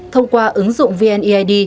thông qua ứng dụng vneid